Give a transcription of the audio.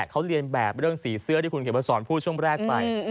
เขาเรียนแบบเรื่องสีเสื้อที่คุณเขียนมาสอนพูดช่วงแรกไป